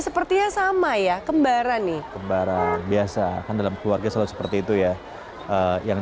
sepertinya sama ya kembaran nih kembaran biasa kan dalam keluarga selalu seperti itu ya yang